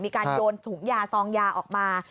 มีการโยนถุงยาซองยาออกมา